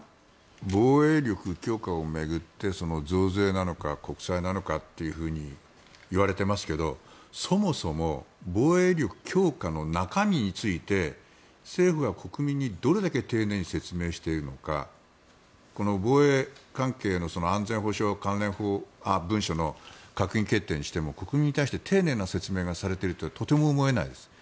防衛力強化を巡って増税なのか国債なのかというふうにいわれてますけどそもそも防衛力強化の中身について政府が国民にどれだけ丁寧に説明しているのかこの防衛関係の安全保障関連文書の閣議決定にしても国民に対して丁寧な説明がされているとはとても思えないです。